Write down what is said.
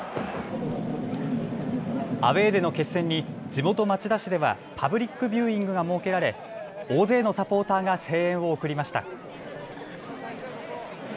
アウェーでの決戦に地元、町田市ではパブリックビューイングが設けられ大勢のサポーターが声援を送りました。